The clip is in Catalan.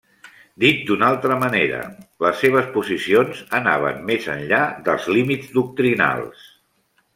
Dit d'una altra manera, les seves posicions anaven més enllà dels límits doctrinals.